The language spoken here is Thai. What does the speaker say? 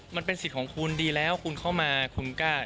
มันเป็นสิทธิ์ของคุณดีแล้วคุณเข้ามาคุณกล้า